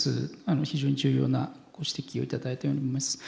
非常に重要なご指摘を頂いたように思います。